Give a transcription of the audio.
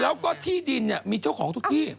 แล้วก็ที่ดินมีเจ้าของทุกที่